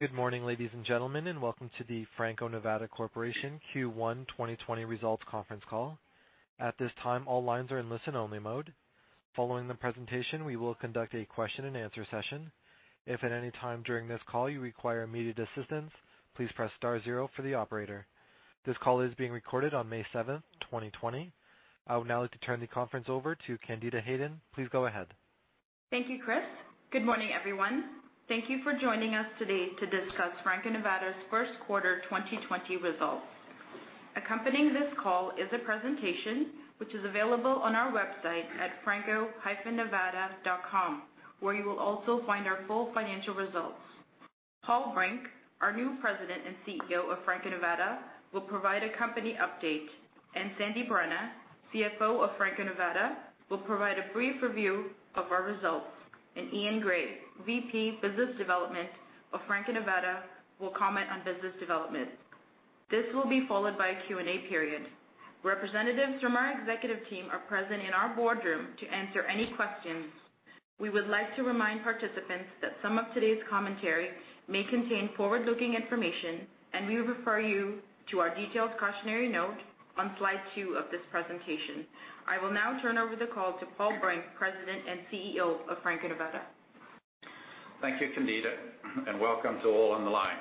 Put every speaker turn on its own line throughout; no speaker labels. Good morning, ladies and gentlemen, and welcome to the Franco-Nevada Corporation Q1 2020 results conference call. At this time, all lines are in listen-only mode. Following the presentation, we will conduct a question and answer session. If at any time during this call you require immediate assistance, please press star zero for the operator. This call is being recorded on May 7th, 2020. I would now like to turn the conference over to Candida Hayden. Please go ahead.
Thank you, Chris. Good morning, everyone. Thank you for joining us today to discuss Franco-Nevada's first quarter 2020 results. Accompanying this call is a presentation which is available on our website at franco-nevada.com, where you will also find our full financial results. Paul Brink, our new President and CEO of Franco-Nevada, will provide a company update, and Sandip Rana, CFO of Franco-Nevada, will provide a brief review of our results, and Eaun Gray, VP Business Development of Franco-Nevada, will comment on business development. This will be followed by a Q&A period. Representatives from our executive team are present in our boardroom to answer any questions. We would like to remind participants that some of today's commentary may contain forward-looking information, and we refer you to our detailed cautionary note on slide two of this presentation. I will now turn over the call to Paul Brink, President and CEO of Franco-Nevada.
Thank you, Candida, and welcome to all on the line.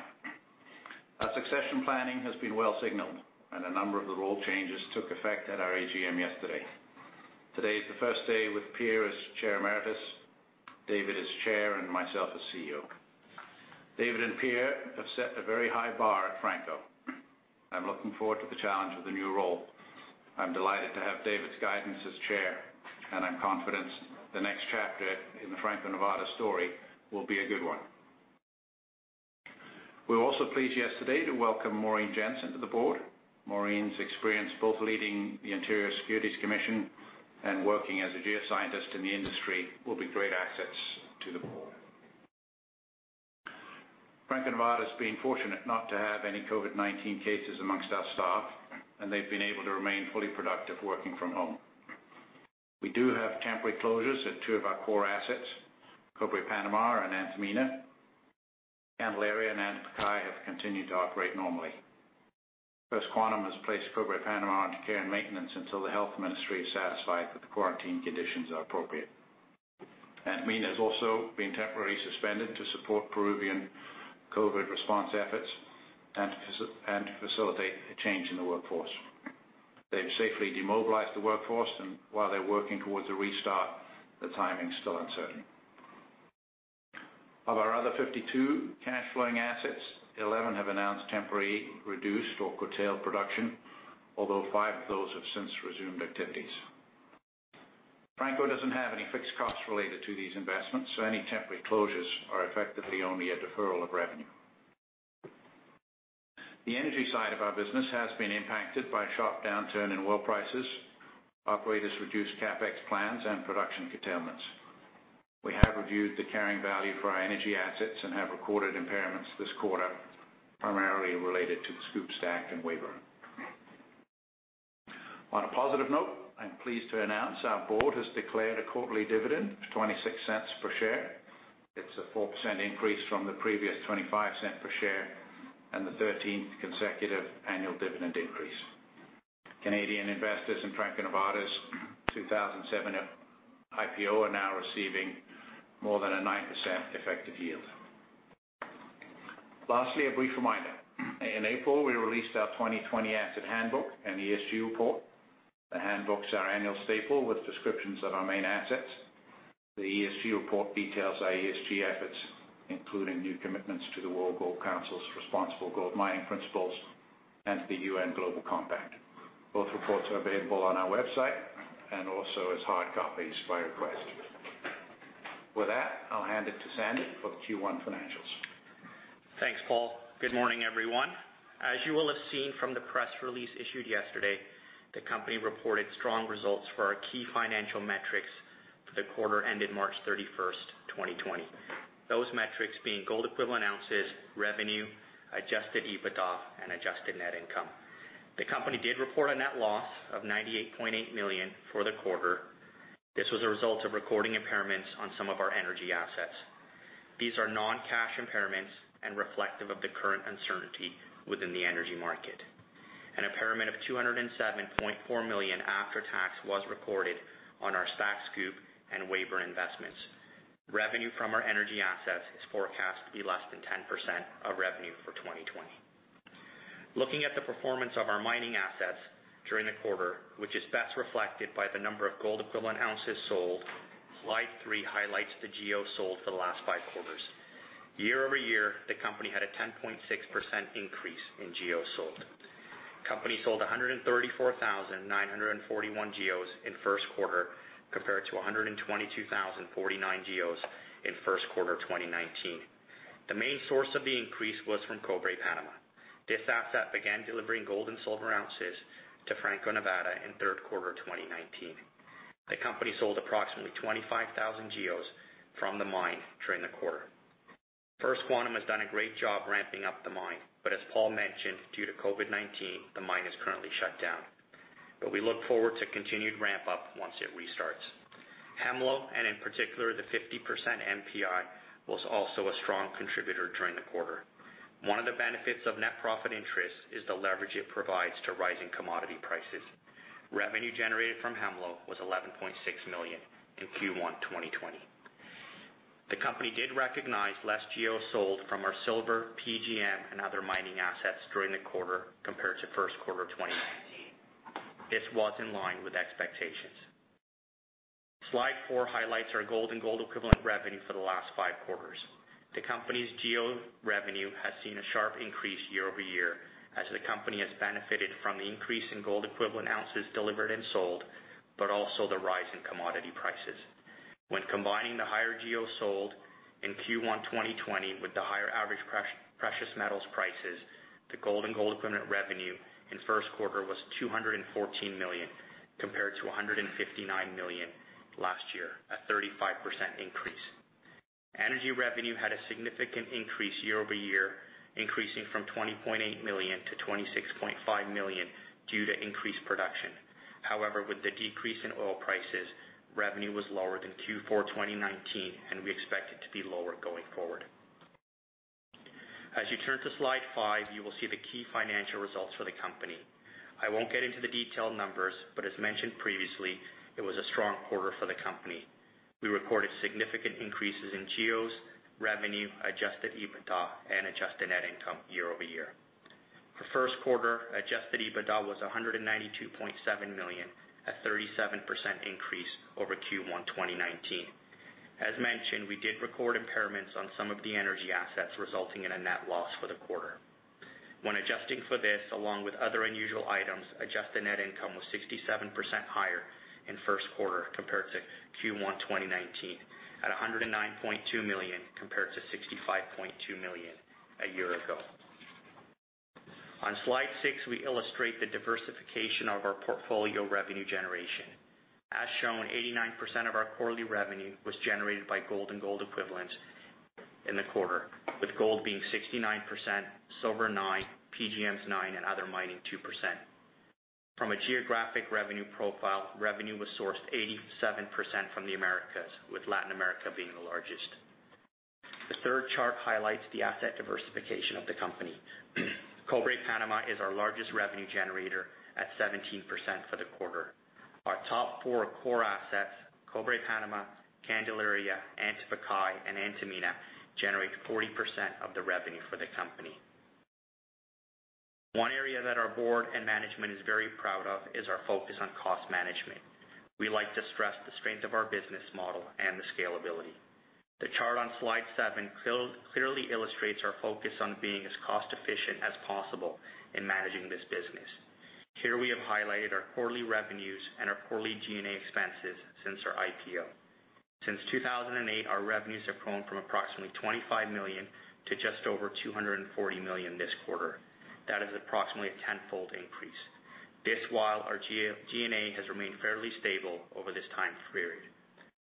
Our succession planning has been well signaled and a number of the role changes took effect at our AGM yesterday. Today is the first day with Pierre as Chair Emeritus, David as Chair, and myself as CEO. David and Pierre have set a very high bar at Franco. I'm looking forward to the challenge of the new role. I'm delighted to have David's guidance as Chair, and I'm confident the next chapter in the Franco-Nevada story will be a good one. We were also pleased yesterday to welcome Maureen Jensen to the board. Maureen's experience both leading the Ontario Securities Commission and working as a geoscientist in the industry will be great assets to the board. Franco-Nevada's been fortunate not to have any COVID-19 cases amongst our staff, and they've been able to remain fully productive working from home. We do have temporary closures at two of our core assets, Cobre Panama and Antamina. Candelaria and Antapaccay have continued to operate normally. First Quantum has placed Cobre Panama onto care and maintenance until the Health Ministry is satisfied that the quarantine conditions are appropriate. Antamina has also been temporarily suspended to support Peruvian COVID response efforts and to facilitate a change in the workforce. They've safely demobilized the workforce, and while they're working towards a restart, the timing's still uncertain. Of our other 52 cash flowing assets, 11 have announced temporary reduced or curtailed production, although five of those have since resumed activities. Franco doesn't have any fixed costs related to these investments, so any temporary closures are effectively only a deferral of revenue. The energy side of our business has been impacted by a sharp downturn in oil prices, operators reduced CapEx plans, and production curtailments. We have reviewed the carrying value for our energy assets and have recorded impairments this quarter, primarily related to the SCOOP, STACK, and Weyburn. On a positive note, I'm pleased to announce our board has declared a quarterly dividend of $0.26 per share. It's a 4% increase from the previous $0.25 per share and the 13th consecutive annual dividend increase. Canadian investors in Franco-Nevada's 2007 IPO are now receiving more than a 9% effective yield. Lastly, a brief reminder. In April, we released our 2020 Asset Handbook and ESG report. The handbook's our annual staple with descriptions of our main assets. The ESG report details our ESG efforts, including new commitments to the World Gold Council's Responsible Gold Mining Principles and the UN Global Compact. Both reports are available on our website and also as hard copies by request. With that, I'll hand it to Sandip for the Q1 financials.
Thanks, Paul. Good morning, everyone. As you will have seen from the press release issued yesterday, the company reported strong results for our key financial metrics for the quarter ended March 31st, 2020. Those metrics being gold equivalent ounces, revenue, adjusted EBITDA, and adjusted net income. The company did report a net loss of $98.8 million for the quarter. This was a result of recording impairments on some of our energy assets. These are non-cash impairments and reflective of the current uncertainty within the energy market. An impairment of $207.4 million after tax was recorded on our Stack, Scoop, and Weyburn investments. Revenue from our energy assets is forecast to be less than 10% of revenue for 2020. Looking at the performance of our mining assets during the quarter, which is best reflected by the number of gold equivalent ounces sold, slide three highlights the GEOs sold for the last five quarters. Year-over-year, the company had a 10.6% increase in GEOs sold. Company sold 134,941 GEOs in first quarter, compared to 122,049 GEOs in first quarter 2019. The main source of the increase was from Cobre Panama. This asset began delivering gold and silver ounces to Franco-Nevada in third quarter 2019. The company sold approximately 25,000 GEOs from the mine during the quarter. First Quantum has done a great job ramping up the mine. As Paul mentioned, due to COVID-19, the mine is currently shut down. We look forward to continued ramp-up once it restarts. Hemlo, and in particular, the 50% NPI, was also a strong contributor during the quarter. One of the benefits of net profit interest is the leverage it provides to rising commodity prices. Revenue generated from Hemlo was $11.6 million in Q1 2020. The company did recognize less GEOs sold from our silver, PGM, and other mining assets during the quarter compared to first quarter 2019. This was in line with expectations. Slide four highlights our gold and gold equivalent revenue for the last five quarters. The company's GEOs revenue has seen a sharp increase year-over-year as the company has benefited from the increase in gold equivalent ounces delivered and sold, but also the rise in commodity prices. When combining the higher GEOs sold in Q1 2020 with the higher average precious metals prices, the gold and gold equivalent revenue in first quarter was $214 million, compared to $159 million last year, a 35% increase. Energy revenue had a significant increase year-over-year, increasing from $20.8 million to $26.5 million due to increased production. With the decrease in oil prices, revenue was lower than Q4 2019, and we expect it to be lower going forward. As you turn to slide five, you will see the key financial results for the company. I won't get into the detailed numbers, as mentioned previously, it was a strong quarter for the company. We recorded significant increases in GEOs, revenue, adjusted EBITDA, and adjusted net income year-over-year. For first quarter, adjusted EBITDA was $192.7 million, a 37% increase over Q1 2019. As mentioned, we did record impairments on some of the energy assets, resulting in a net loss for the quarter. When adjusting for this, along with other unusual items, adjusted net income was 67% higher in first quarter compared to Q1 2019, at $109.2 million, compared to $65.2 million a year ago. On slide six, we illustrate the diversification of our portfolio revenue generation. As shown, 89% of our quarterly revenue was generated by gold and gold equivalents in the quarter, with gold being 69%, silver 9%, PGMs 9%, and other mining 2%. From a geographic revenue profile, revenue was sourced 87% from the Americas, with Latin America being the largest. The third chart highlights the asset diversification of the company. Cobre Panama is our largest revenue generator at 17% for the quarter. Our top four core assets, Cobre Panama, Candelaria, Antapaccay, and Antamina generate 40% of the revenue for the company. One area that our board and management is very proud of is our focus on cost management. We like to stress the strength of our business model and the scalability. The chart on slide seven clearly illustrates our focus on being as cost-efficient as possible in managing this business. Here we have highlighted our quarterly revenues and our quarterly G&A expenses since our IPO. Since 2008, our revenues have grown from approximately $25 million to just over $240 million this quarter. That is approximately a tenfold increase. This while our G&A has remained fairly stable over this time period.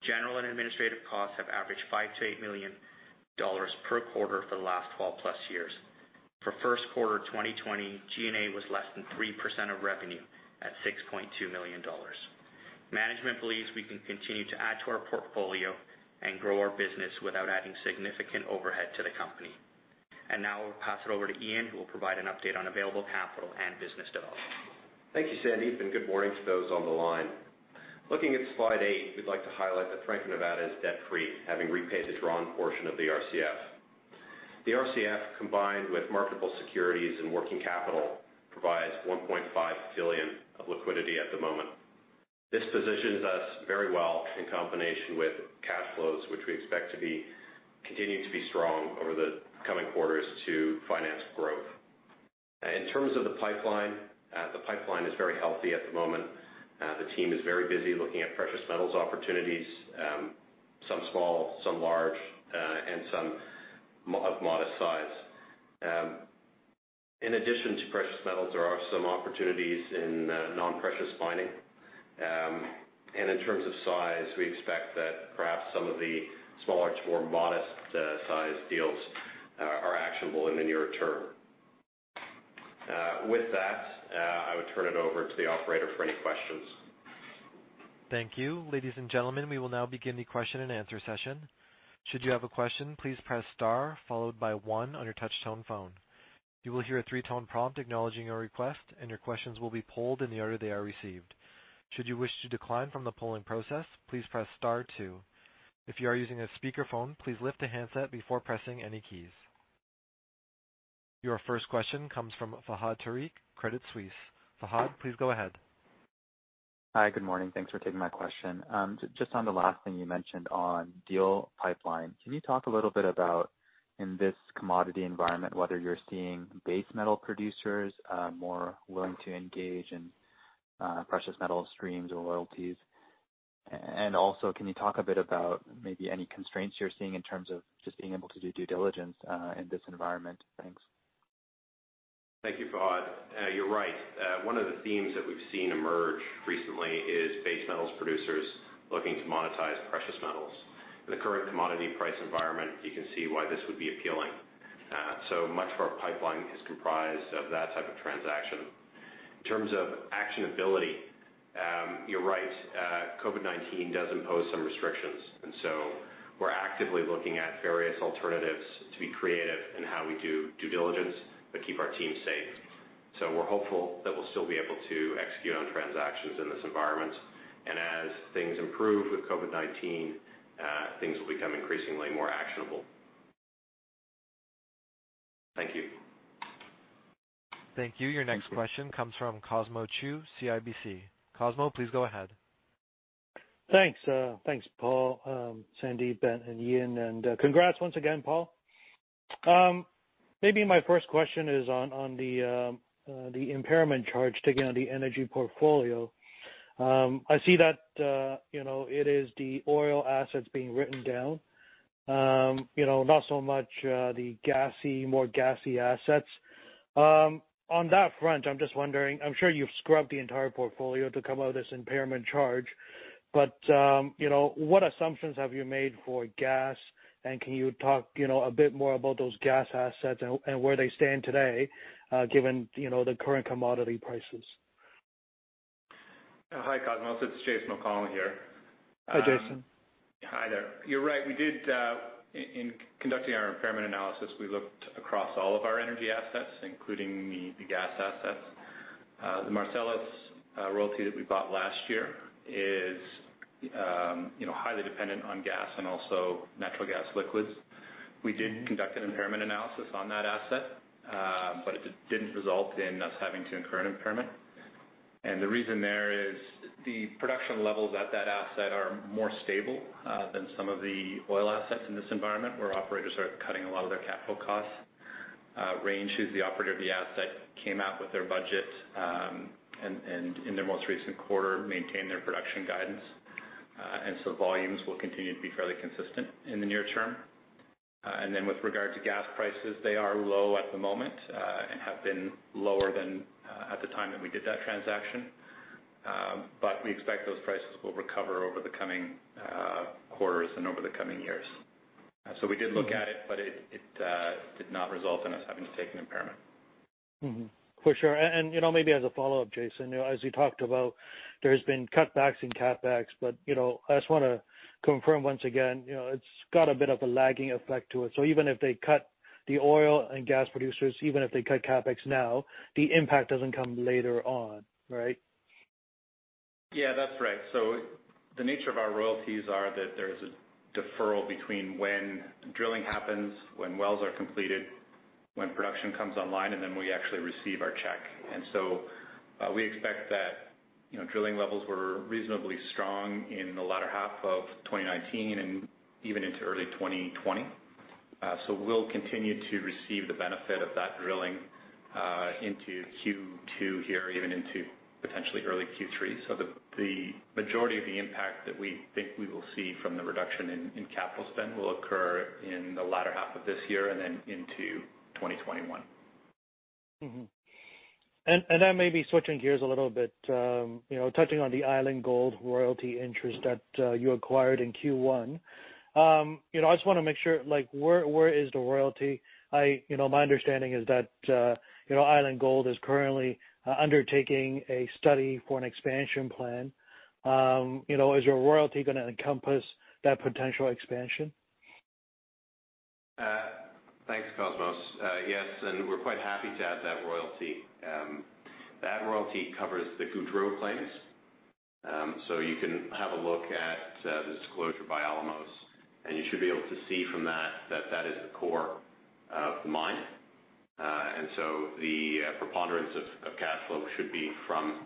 General and administrative costs have averaged $5 million-$8 million per quarter for the last 12+ years. For first quarter 2020, G&A was less than 3% of revenue at $6.2 million. Management believes we can continue to add to our portfolio and grow our business without adding significant overhead to the company. Now I'll pass it over to Eaun, who will provide an update on available capital and business development.
Thank you, Sandip, and good morning to those on the line. Looking at slide eight, we'd like to highlight that Franco-Nevada is debt-free, having repaid the drawn portion of the RCF. The RCF, combined with marketable securities and working capital, provides $1.5 billion of liquidity at the moment. This positions us very well in combination with cash flows, which we expect to continue to be strong over the coming quarters to finance growth. In terms of the pipeline, the pipeline is very healthy at the moment. The team is very busy looking at precious metals opportunities, some small, some large, and some of modest size. In addition to precious metals, there are some opportunities in non-precious mining. In terms of size, we expect that perhaps some of the smaller to more modest-sized deals are actionable in the nearer term. With that, I would turn it over to the operator for any questions.
Thank you. Ladies and gentlemen, we will now begin the question and answer session. Should you have a question, please press star followed by one on your touch tone phone. You will hear a three-tone prompt acknowledging your request, and your questions will be polled in the order they are received. Should you wish to decline from the polling process, please press star two. If you are using a speakerphone, please lift the handset before pressing any keys. Your first question comes from Fahad Tariq, Credit Suisse. Fahad, please go ahead.
Hi, good morning. Thanks for taking my question. Just on the last thing you mentioned on deal pipeline, can you talk a little bit about, in this commodity environment, whether you're seeing base metal producers more willing to engage in precious metal streams or royalties? Also, can you talk a bit about maybe any constraints you're seeing in terms of just being able to do due diligence in this environment? Thanks.
Thank you, Paul. You're right. One of the themes that we've seen emerge recently is base metals producers looking to monetize precious metals. In the current commodity price environment, you can see why this would be appealing. Much of our pipeline is comprised of that type of transaction. In terms of actionability, you're right, COVID-19 does impose some restrictions, we're actively looking at various alternatives to be creative in how we do due diligence keep our team safe. We're hopeful that we'll still be able to execute on transactions in this environment, as things improve with COVID-19, things will become increasingly more actionable. Thank you.
Thank you. Your next question comes from Cosmos Chiu, CIBC. Cosmos, please go ahead.
Thanks. Thanks, Paul, Sandip, Ben, and Eaun, and congrats once again, Paul. Maybe my first question is on the impairment charge taken on the energy portfolio. I see that it is the oil assets being written down, not so much the more gassy assets. On that front, I'm just wondering, I'm sure you've scrubbed the entire portfolio to come out with this impairment charge, but what assumptions have you made for gas, and can you talk a bit more about those gas assets and where they stand today, given the current commodity prices?
Hi, Cosmos. It's Jason O'Connell here.
Hi, Jason.
Hi there. You're right. In conducting our impairment analysis, we looked across all of our energy assets, including the gas assets. The Marcellus royalty that we bought last year is highly dependent on gas and also natural gas liquids. We did conduct an impairment analysis on that asset. It didn't result in us having to incur an impairment. The reason there is the production levels at that asset are more stable than some of the oil assets in this environment, where operators are cutting a lot of their capital costs. Range, who's the operator of the asset, came out with their budget, and in their most recent quarter, maintained their production guidance. Volumes will continue to be fairly consistent in the near term. With regard to gas prices, they are low at the moment, and have been lower than at the time that we did that transaction. We expect those prices will recover over the coming quarters and over the coming years. We did look at it, but it did not result in us having to take an impairment.
For sure. Maybe as a follow-up, Jason, as you talked about, there has been cutbacks in CapEx, but I just want to confirm once again, it's got a bit of a lagging effect to it. Even if they cut the oil and gas producers, even if they cut CapEx now, the impact doesn't come later on, right?
Yeah, that's right. The nature of our royalties are that there is a deferral between when drilling happens, when wells are completed, when production comes online, and then we actually receive our check. We expect that drilling levels were reasonably strong in the latter half of 2019 and even into early 2020. We'll continue to receive the benefit of that drilling into Q2 here, even into potentially early Q3. The majority of the impact that we think we will see from the reduction in capital spend will occur in the latter half of this year and then into 2021.
Maybe switching gears a little bit, touching on the Island Gold royalty interest that you acquired in Q1. I just want to make sure, where is the royalty? My understanding is that Island Gold is currently undertaking a study for an expansion plan. Is your royalty going to encompass that potential expansion?
Thanks, Cosmos. Yes. We're quite happy to add that royalty. That royalty covers the Goudreau claims. You can have a look at the disclosure by Alamos, and you should be able to see from that that is the core of the mine. The preponderance of cash flow should be from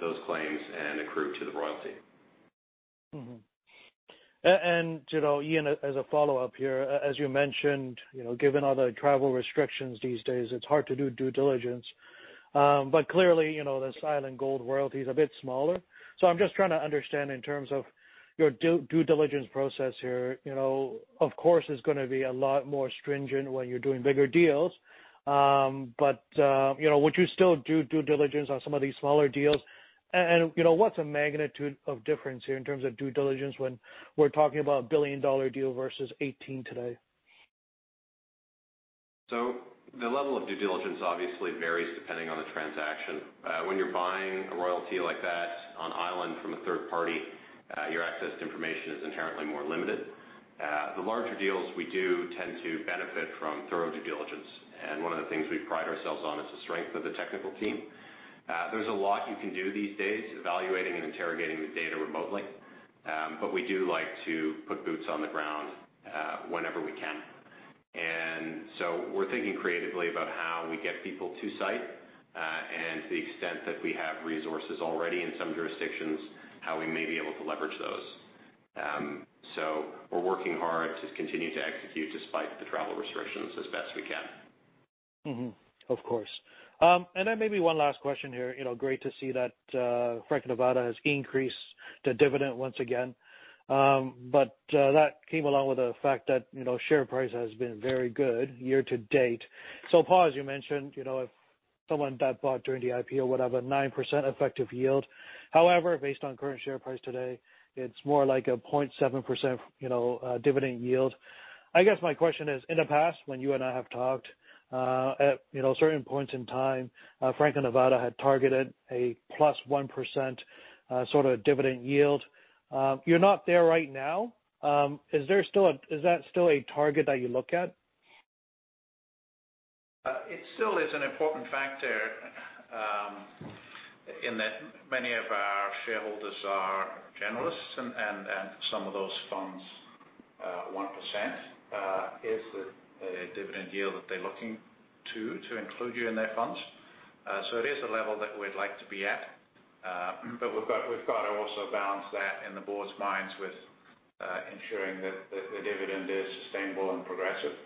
those claims and accrue to the royalty.
Eaun, as a follow-up here, as you mentioned, given all the travel restrictions these days, it's hard to do due diligence. Clearly, this Island Gold royalty is a bit smaller. I'm just trying to understand in terms of your due diligence process here. Of course, it's going to be a lot more stringent when you're doing bigger deals. Would you still do due diligence on some of these smaller deals? What's the magnitude of difference here in terms of due diligence when we're talking about a billion-dollar deal versus $18 million today?
The level of due diligence obviously varies depending on the transaction. When you're buying a royalty like that on Island from a third party, your access to information is inherently more limited. The larger deals we do tend to benefit from thorough due diligence, and one of the things we pride ourselves on is the strength of the technical team. There's a lot you can do these days, evaluating and interrogating the data remotely, but we do like to put boots on the ground whenever we can. We're thinking creatively about how we get people to site, and to the extent that we have resources already in some jurisdictions, how we may be able to leverage those. We're working hard to continue to execute despite the travel restrictions as best we can.
Of course. Maybe one last question here. Great to see that Franco-Nevada has increased the dividend once again. That came along with the fact that share price has been very good year-to-date. Paul, as you mentioned, if someone that bought during the IPO would have a 9% effective yield. However, based on current share price today, it's more like a 0.7% dividend yield. I guess my question is, in the past, when you and I have talked, at certain points in time, Franco-Nevada had targeted a plus 1% sort of dividend yield. You're not there right now. Is that still a target that you look at?
It still is an important factor, in that many of our shareholders are generalists and some of those funds, 1% is the dividend yield that they're looking to include you in their funds. It is a level that we'd like to be at. We've got to also balance that in the board's minds with ensuring that the dividend is sustainable and progressive.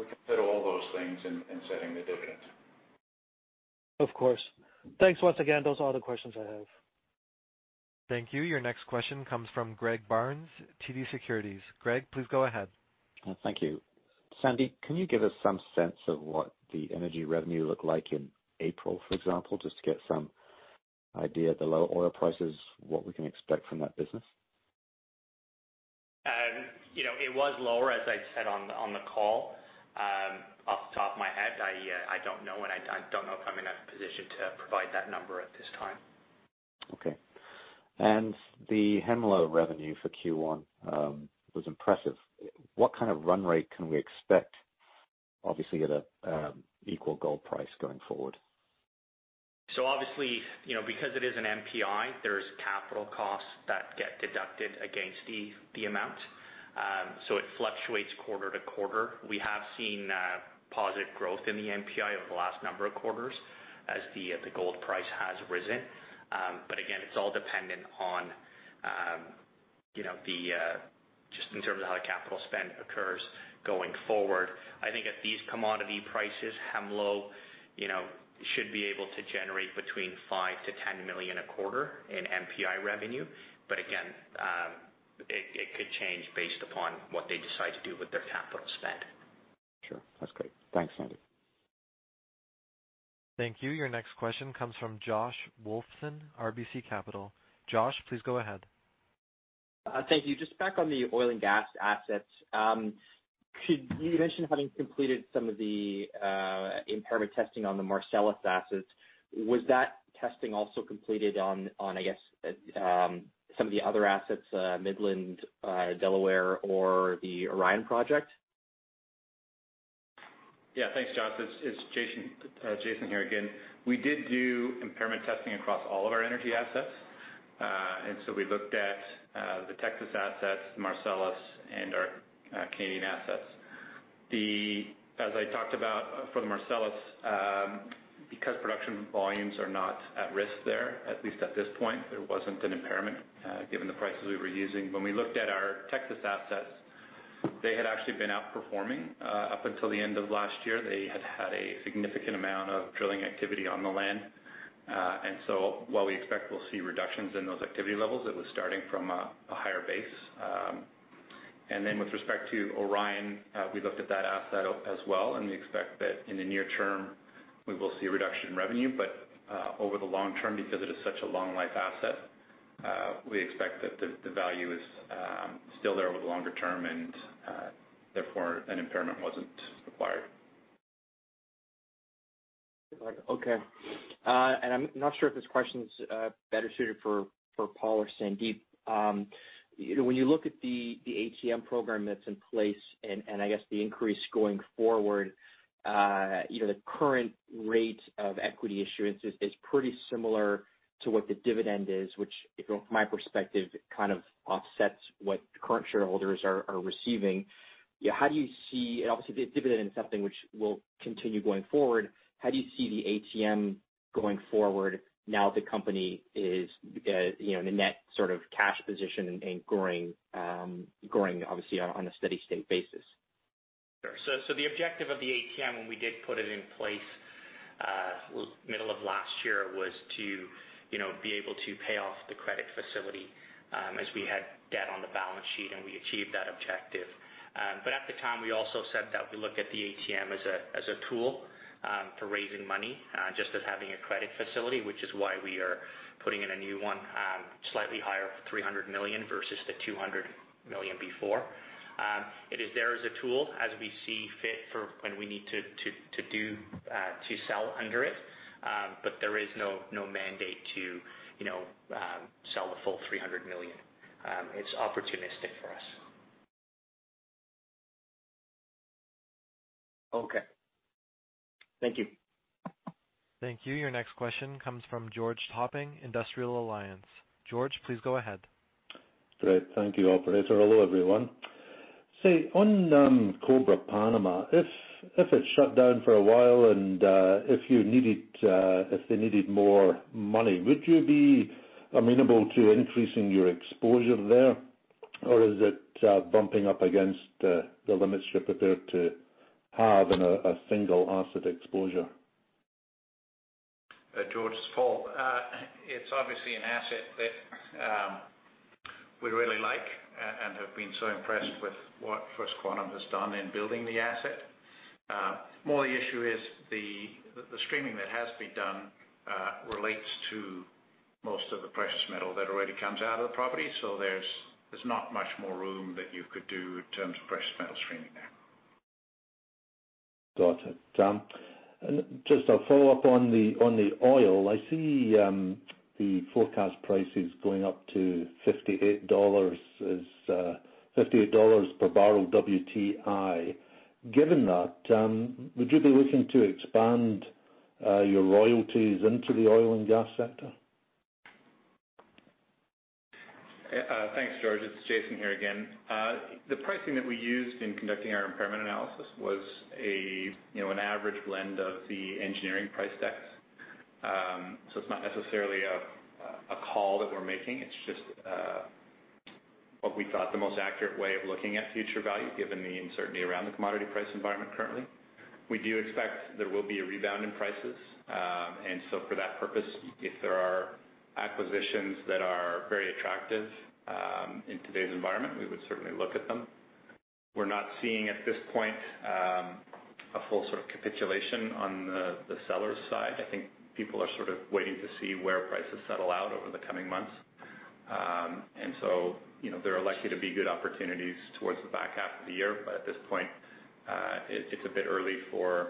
We consider all those things in setting the dividend.
Of course. Thanks once again. Those are all the questions I have.
Thank you. Your next question comes from Greg Barnes, TD Securities. Greg, please go ahead.
Thank you. Sandip, can you give us some sense of what the energy revenue looked like in April, for example, just to get some idea, the low oil prices, what we can expect from that business?
It was lower, as I said on the call. Off the top of my head, I don't know, and I don't know if I'm in a position to provide that number at this time.
Okay. The Hemlo revenue for Q1 was impressive. What kind of run rate can we expect, obviously, at an equal gold price going forward?
Obviously, because it is an NPI, there's capital costs that get deducted against the amount. It fluctuates quarter to quarter. We have seen positive growth in the NPI over the last number of quarters as the gold price has risen. Again, it's all dependent on just in terms of how the capital spend occurs going forward. I think at these commodity prices, Hemlo should be able to generate between $5 million-$10 million a quarter in NPI revenue. Again, it could change based upon what they decide to do with their capital spend.
Sure. That's great. Thanks, Sandip.
Thank you. Your next question comes from Josh Wolfson, RBC Capital. Josh, please go ahead.
Thank you. Just back on the oil and gas assets. You mentioned having completed some of the impairment testing on the Marcellus assets. Was that testing also completed on, I guess, some of the other assets, Midland, Delaware, or the Orion project?
Yeah, thanks, Josh. It's Jason here again. We did do impairment testing across all of our energy assets. We looked at the Texas assets, Marcellus, and our Canadian assets. As I talked about for the Marcellus, because production volumes are not at risk there, at least at this point, there wasn't an impairment, given the prices we were using. When we looked at our Texas assets, they had actually been outperforming up until the end of last year. They had had a significant amount of drilling activity on the land. While we expect we'll see reductions in those activity levels, it was starting from a higher base. With respect to Orion, we looked at that asset as well, and we expect that in the near term, we will see a reduction in revenue, but over the long term, because it is such a long life asset, we expect that the value is still there over the longer term and therefore an impairment wasn't required.
Okay. I'm not sure if this question's better suited for Paul or Sandip. When you look at the ATM program that's in place and I guess the increase going forward, the current rate of equity issuance is pretty similar to what the dividend is, which, from my perspective, kind of offsets what current shareholders are receiving. Obviously, the dividend is something which will continue going forward. How do you see the ATM going forward now the company is in a net sort of cash position and growing obviously on a steady state basis?
Sure. The objective of the ATM when we did put it in place middle of last year was to be able to pay off the credit facility as we had debt on the balance sheet, and we achieved that objective. At the time, we also said that we looked at the ATM as a tool for raising money, just as having a credit facility, which is why we are putting in a new one slightly higher for $300 million versus the $200 million before. It is there as a tool as we see fit for when we need to sell under it. There is no mandate to sell the full $300 million. It's opportunistic for us.
Okay. Thank you.
Thank you. Your next question comes from George Topping, Industrial Alliance. George, please go ahead.
Great. Thank you, operator. Hello, everyone. Say, on Cobre Panama, if it's shut down for a while and if they needed more money, would you be amenable to increasing your exposure there? Or is it bumping up against the limits you're prepared to have in a single asset exposure?
George, it's Paul. It's obviously an asset that we really like and have been so impressed with what First Quantum has done in building the asset. More the issue is the streaming that has been done relates to most of the precious metal that already comes out of the property. There's not much more room that you could do in terms of precious metal streaming there.
Got it. Just a follow-up on the oil. I see the forecast price is going up to $58 per barrel WTI. Given that, would you be looking to expand your royalties into the oil and gas sector?
Thanks, George. It's Jason here again. The pricing that we used in conducting our impairment analysis was an average blend of the engineering price decks. It's not necessarily a call that we're making, it's just what we thought the most accurate way of looking at future value, given the uncertainty around the commodity price environment currently. We do expect there will be a rebound in prices. For that purpose, if there are acquisitions that are very attractive in today's environment, we would certainly look at them. We're not seeing, at this point, a full sort of capitulation on the seller side. I think people are sort of waiting to see where prices settle out over the coming months. There are likely to be good opportunities towards the back half of the year. At this point, it's a bit early for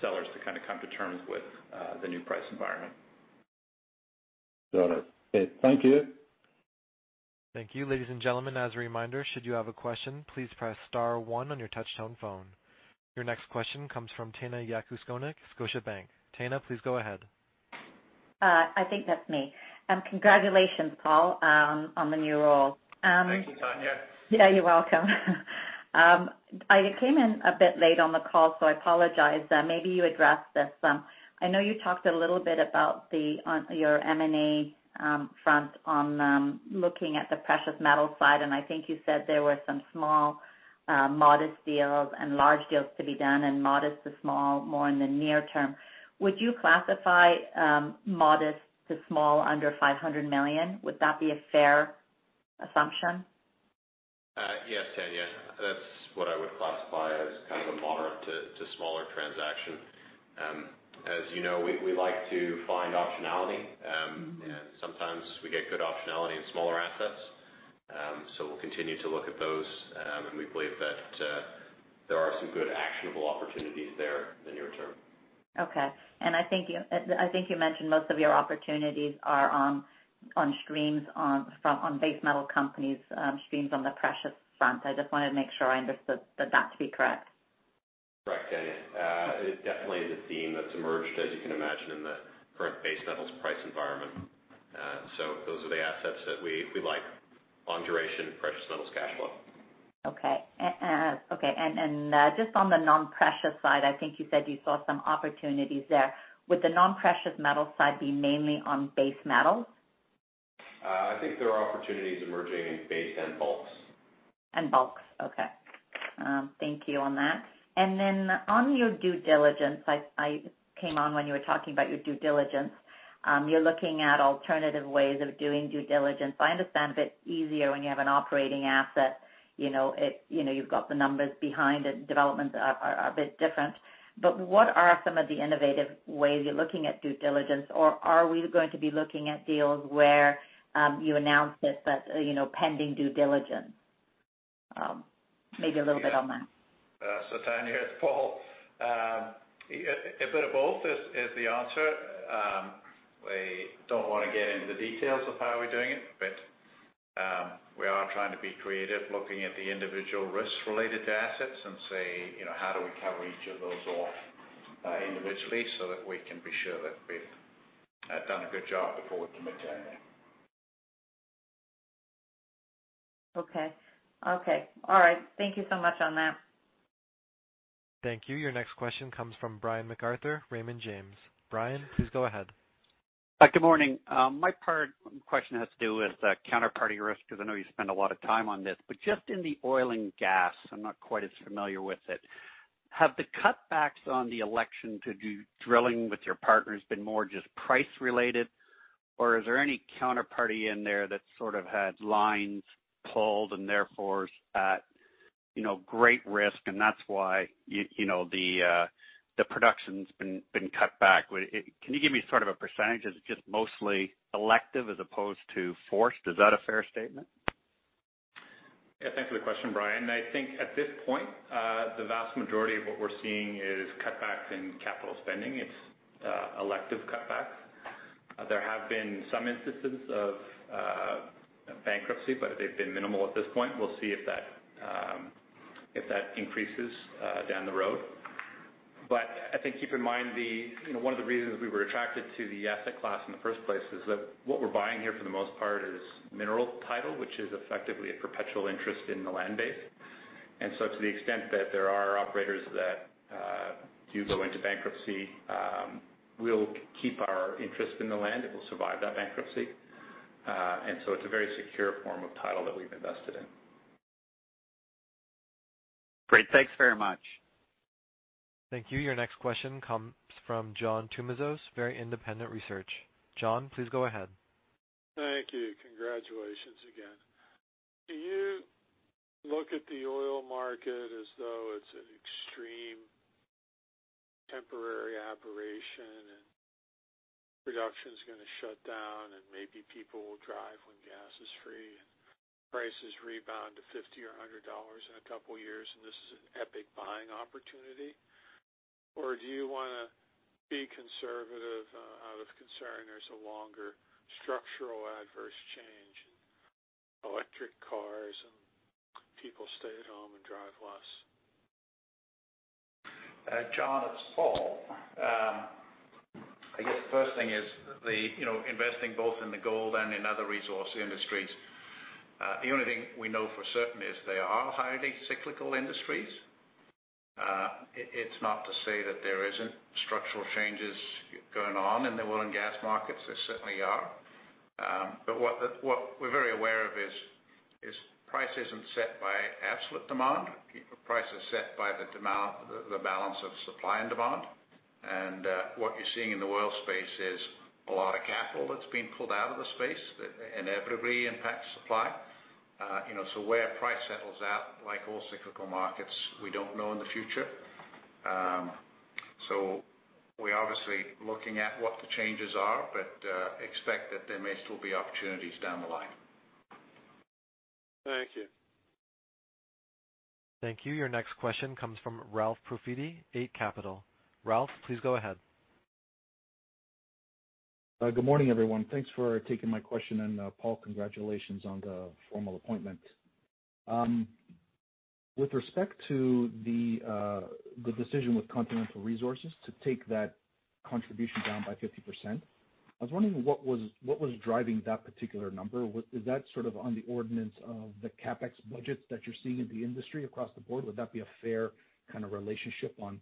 sellers to kind of come to terms with the new price environment.
Got it. Okay. Thank you.
Thank you. Ladies and gentlemen, as a reminder, should you have a question, please press star one on your touch-tone phone. Your next question comes from Tanya Jakusconek, Scotiabank. Tanya, please go ahead.
I think that's me. Congratulations, Paul, on the new role.
Thank you, Tanya.
Yeah, you're welcome. I came in a bit late on the call, so I apologize. Maybe you addressed this. I know you talked a little bit about your M&A front on looking at the precious metal side, and I think you said there were some small, modest deals and large deals to be done, and modest to small more in the near term. Would you classify modest to small under $500 million? Would that be a fair assumption?
Yes, Tanya. That's what I would classify as kind of a moderate to smaller transaction. As you know, we like to find optionality. Sometimes we get good optionality in smaller assets. We'll continue to look at those, and we believe that there are some good actionable opportunities there in the near term.
Okay. I think you mentioned most of your opportunities are on streams on base metal companies, streams on the precious front. I just wanted to make sure I understood that to be correct.
Correct, Tanya. It definitely is a theme that's emerged, as you can imagine, in the current base metals price environment. Those are the assets that we like, long duration precious metals cash flow.
Okay. Just on the non-precious side, I think you said you saw some opportunities there. Would the non-precious metal side be mainly on base metals?
I think there are opportunities emerging in base and bulks.
Bulks. Okay. Thank you on that. On your due diligence, I came on when you were talking about your due diligence. You're looking at alternative ways of doing due diligence. I understand that it's easier when you have an operating asset. You've got the numbers behind it, developments are a bit different. What are some of the innovative ways you're looking at due diligence, or are we going to be looking at deals where you announce it but pending due diligence? Maybe a little bit on that.
Tanya, it's Paul. A bit of both is the answer. We don't want to get into the details of how we're doing it, but we are trying to be creative, looking at the individual risks related to assets and say, "How do we cover each of those off individually so that we can be sure that we've done a good job before we commit to anything?"
Okay. All right. Thank you so much on that.
Thank you. Your next question comes from Brian MacArthur, Raymond James. Brian, please go ahead.
Good morning. My part question has to do with counterparty risk, because I know you spend a lot of time on this, but just in the oil and gas, I'm not quite as familiar with it. Have the cutbacks on the election to do drilling with your partners been more just price related, or is there any counterparty in there that sort of had lines pulled and therefore is at great risk and that's why the production's been cut back? Can you give me sort of a percentage? Is it just mostly elective as opposed to forced? Is that a fair statement?
Yeah. Thanks for the question, Brian. I think at this point, the vast majority of what we're seeing is cutbacks in capital spending. It's elective cutbacks. There have been some instances of bankruptcy, but they've been minimal at this point. We'll see if that increases down the road. I think, keep in mind, one of the reasons we were attracted to the asset class in the first place is that what we're buying here, for the most part, is mineral title, which is effectively a perpetual interest in the land base. To the extent that there are operators that do go into bankruptcy, we'll keep our interest in the land. It will survive that bankruptcy. It's a very secure form of title that we've invested in.
Great. Thanks very much.
Thank you. Your next question comes from John Tumazos, Very Independent Research. John, please go ahead.
Thank you. Congratulations again. Do you look at the oil market as though it's an extreme temporary aberration, and production's going to shut down, and maybe people will drive when gas is free, and prices rebound to $50 or $100 in a couple of years, and this is an epic buying opportunity? Or do you want to be conservative out of concern there's a longer structural adverse change in electric cars and people stay at home and drive less?
John, it's Paul. I guess the first thing is investing both in the gold and in other resource industries. The only thing we know for certain is they are highly cyclical industries. It's not to say that there isn't structural changes going on in the oil and gas markets. There certainly are. What we're very aware of is, price isn't set by absolute demand. Price is set by the balance of supply and demand. What you're seeing in the oil space is a lot of capital that's been pulled out of the space that inevitably impacts supply. Where price settles out, like all cyclical markets, we don't know in the future. We're obviously looking at what the changes are, but expect that there may still be opportunities down the line.
Thank you.
Thank you. Your next question comes from Ralph Profiti, Eight Capital. Ralph, please go ahead.
Good morning, everyone. Thanks for taking my question. Paul, congratulations on the formal appointment. With respect to the decision with Continental Resources to take that contribution down by 50%, I was wondering what was driving that particular number. Is that sort of on the ordinance of the CapEx budgets that you're seeing in the industry across the board? Would that be a fair kind of relationship on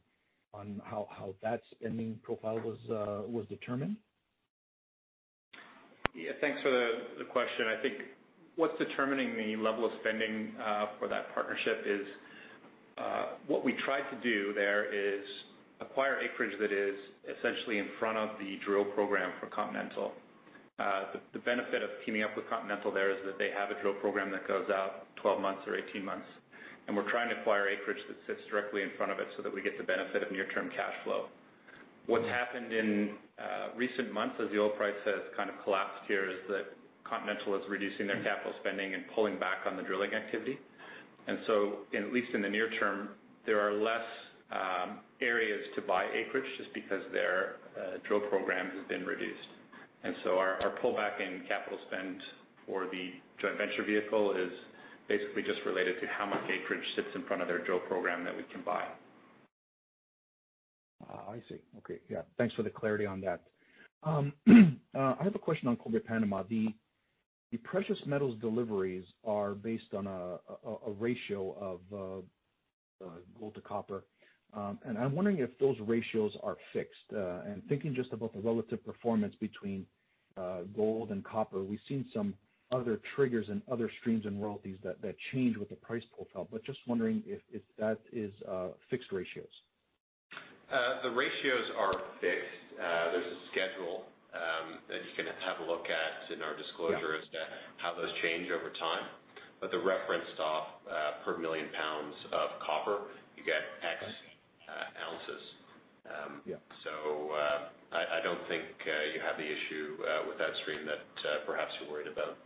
how that spending profile was determined?
Yeah, thanks for the question. I think what's determining the level of spending for that partnership is, what we tried to do there is acquire acreage that is essentially in front of the drill program for Continental. The benefit of teaming up with Continental there is that they have a drill program that goes out 12 months or 18 months, and we're trying to acquire acreage that sits directly in front of it so that we get the benefit of near-term cash flow. What's happened in recent months, as the oil price has kind of collapsed here, is that Continental is reducing their capital spending and pulling back on the drilling activity. At least in the near term, there are less areas to buy acreage just because their drill program has been reduced. Our pullback in capital spend for the joint venture vehicle is basically just related to how much acreage sits in front of their drill program that we can buy.
I see. Okay, yeah. Thanks for the clarity on that. I have a question on Cobre Panama. The precious metals deliveries are based on a ratio of gold to copper. I'm wondering if those ratios are fixed. Thinking just about the relative performance between gold and copper, we've seen some other triggers and other streams and royalties that change with the price profile. Just wondering if that is fixed ratios.
The ratios are fixed. There's a schedule that you can have a look at in our disclosure. Yeah as to how those change over time. They're referenced off per million pounds of copper, you get X ounces. Yeah. I don't think you have the issue with that stream that perhaps you're worried about.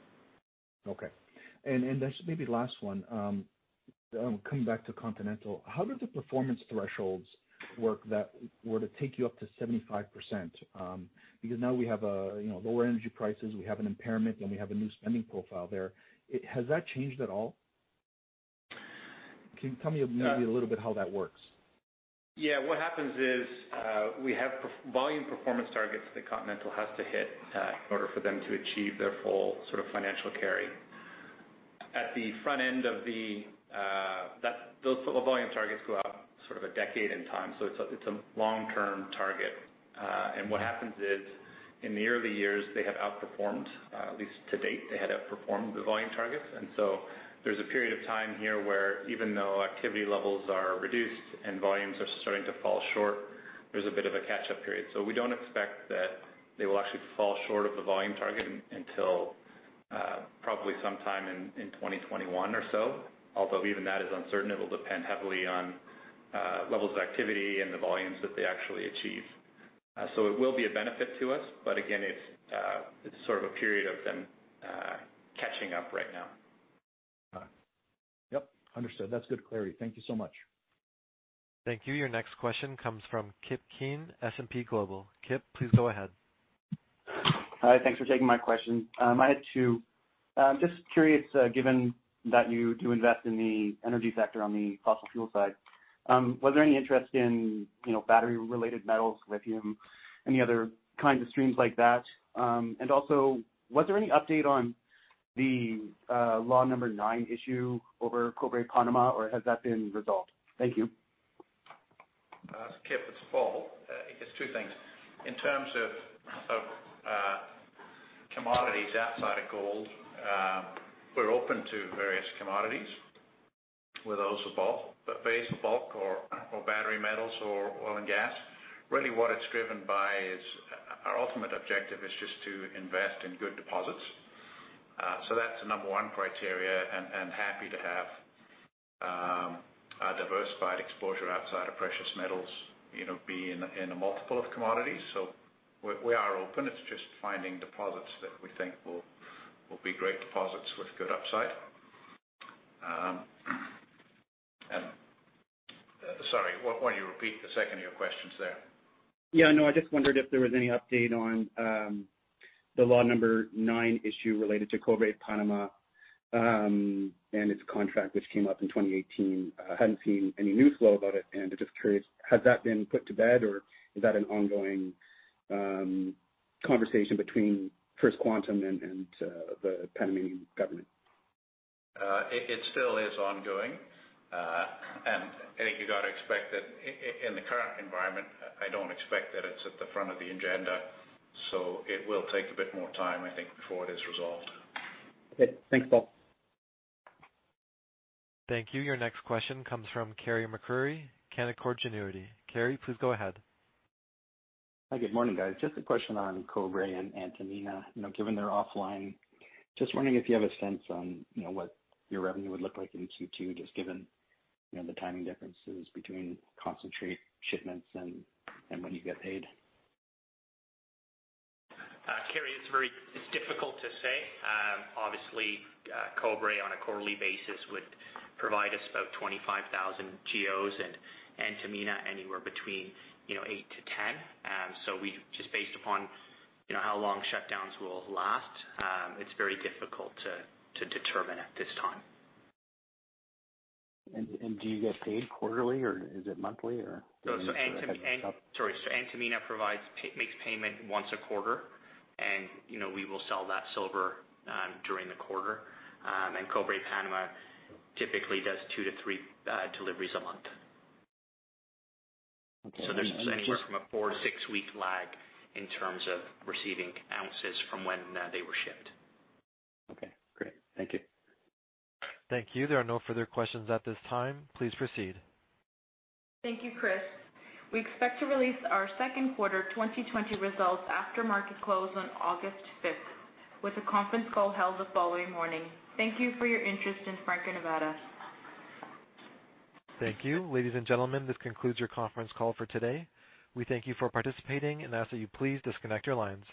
Okay. Just maybe last one, coming back to Continental, how did the performance thresholds work that were to take you up to 75%? Now we have lower energy prices, we have an impairment, and we have a new spending profile there. Has that changed at all? Can you tell me maybe a little bit how that works?
What happens is, we have volume performance targets that Continental has to hit in order for them to achieve their full sort of financial carry. Those volume targets go out sort of a decade in time. It's a long-term target. What happens is, in the early years, they have outperformed, at least to date, they had outperformed the volume targets. There's a period of time here where even though activity levels are reduced and volumes are starting to fall short, there's a bit of a catch-up period. We don't expect that they will actually fall short of the volume target until probably sometime in 2021 or so. Although even that is uncertain. It will depend heavily on levels of activity and the volumes that they actually achieve. It will be a benefit to us, but again, it's sort of a period of them catching up right now.
Got it. Yep. Understood. That's good clarity. Thank you so much.
Thank you. Your next question comes from Kip Keen, S&P Global. Kip, please go ahead.
Hi. Thanks for taking my question. I had two. Just curious, given that you do invest in the energy sector on the fossil fuel side, was there any interest in battery related metals, lithium, any other kinds of streams like that? Also, was there any update on the Law 9 issue over Cobre Panama or has that been resolved? Thank you.
Kip, it's Paul. I guess two things. In terms of commodities outside of gold, we're open to various commodities, whether those are base metal, battery metals, or oil and gas. Really what it's driven by is our ultimate objective, is just to invest in good deposits. That's the number one criteria, and happy to have a diversified exposure outside of precious metals, be in a multiple of commodities. We are open, it's just finding deposits that we think will be great deposits with good upside. Sorry, why don't you repeat the second of your questions there?
Yeah, I just wondered if there was any update on the Law 9 issue related to Cobre Panama, and its contract which came up in 2018. I hadn't seen any news flow about it. I'm just curious, has that been put to bed or is that an ongoing conversation between First Quantum and the Panamanian government?
It still is ongoing. I think you got to expect that in the current environment, I don't expect that it's at the front of the agenda. It will take a bit more time, I think, before it is resolved.
Okay. Thanks, Paul.
Thank you. Your next question comes from Carey MacRury, Canaccord Genuity. Carey, please go ahead.
Hi, good morning, guys. Just a question on Cobre and Antamina. Given they're offline, just wondering if you have a sense on what your revenue would look like in Q2, just given the timing differences between concentrate shipments and when you get paid.
Carey, it's difficult to say. Obviously, Cobre on a quarterly basis would provide us about 25,000 GEOs and Antamina anywhere between 8-10. Just based upon how long shutdowns will last, it's very difficult to determine at this time.
Do you get paid quarterly or is it monthly?
Sorry. Antamina makes payment once a quarter and we will sell that silver during the quarter. Cobre Panama typically does two to three deliveries a month.
Okay.
There's anywhere from a four to six week lag in terms of receiving ounces from when they were shipped.
Okay, great. Thank you.
Thank you. There are no further questions at this time. Please proceed.
Thank you, Chris. We expect to release our second quarter 2020 results after market close on August fifth, with a conference call held the following morning. Thank you for your interest in Franco-Nevada.
Thank you. Ladies and gentlemen, this concludes your conference call for today. We thank you for participating and ask that you please disconnect your lines.